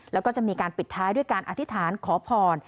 แล้วก็จะมีการปิดท้ายด้วยการอธิษฐานขอพร